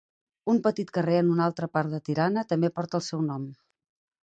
Un petit carrer en una altra part de Tirana, també porta el seu nom.